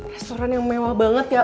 restoran yang mewah banget ya